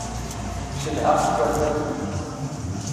Cedhaɣ tikerbabin.